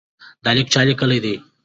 دا لیک چا لیکلی دی؟